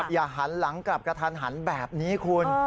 หันหลังกลับกระทันหันแบบนี้คุณ